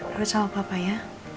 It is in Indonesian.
perlu jawab papa ya